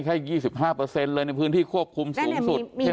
แค่ยี่สิบห้าเปอร์เซ็นต์เลยในพื้นที่ควบคุมสูงสุดเท่มคนเนี่ย